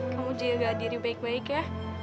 kamu jaga diri baik baik ya